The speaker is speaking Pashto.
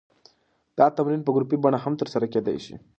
دا تمرین په ګروپي بڼه هم ترسره کېدی شي.